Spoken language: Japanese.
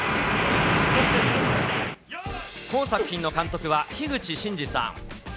今作品の監督は、樋口真嗣さん。